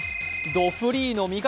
どフリーの味方。